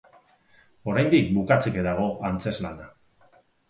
Oraindik bukatzeke dago antzezlana.